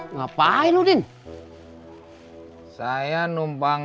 kalau saya enggak dagang